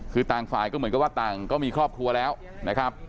คือต่างฝ่ายก็เหมือนกับว่าต่างก็มีครอบครัวแล้วนะครับ